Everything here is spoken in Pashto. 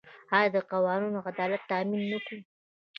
آیا دا قانون د عدالت تامین نه کوي؟